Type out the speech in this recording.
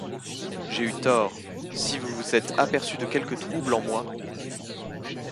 J’ai eu tort, si vous vous êtes aperçu de quelque trouble en moi...